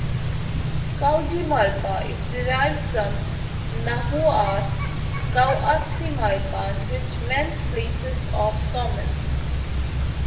"Cuajimalpa" is derived from the Nahuatl "Cuauhximalpan" which meant place of sawmills.